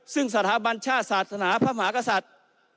ซึ่งสถาบันชาติศาสนาพระมหากษัตริย์